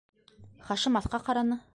Хашим аҫҡа ҡараны.